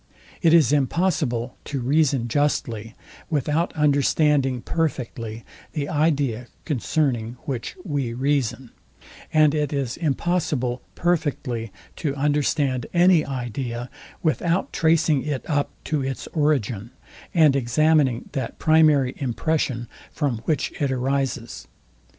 It is impossible to reason justly, without understanding perfectly the idea concerning which we reason; and it is impossible perfectly to understand any idea, without tracing it up to its origin, and examining that primary impression, from which it arises.